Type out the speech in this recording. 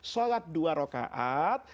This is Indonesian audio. salat dua rokaat